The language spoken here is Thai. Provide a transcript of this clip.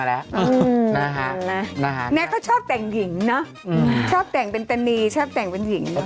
และแม่ก็ขึ้นไปเล่นเฮดเมื่อเม่า